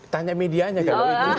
tanya medianya kalau itu